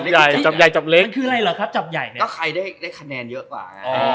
ก็ใครได้แค่แค่แค่ได้คะแนนเยอะกว่า